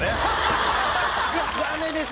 ダメです